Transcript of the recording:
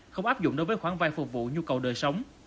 không áp dụng đối với khoản vay phục vụ nhu cầu đời sống